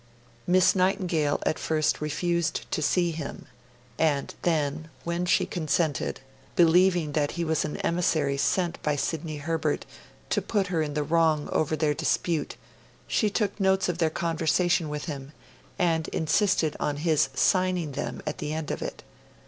Miss Nightingale at first refused to see him, and then, when she consented, believing that he was an emissary sent by Sidney Herbert to put her in the wrong over their dispute, she took notes of her conversation with him, and insisted on his signing them at the end of it.